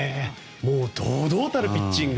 堂々たるピッチング。